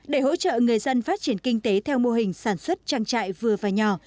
để hỗ trợ người dân phát triển kinh tế theo mô hình sản xuất trang trại vừa và nhỏ